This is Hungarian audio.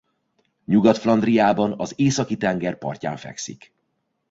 Nyugat-Flandriában az Északi-tenger partján fekszik.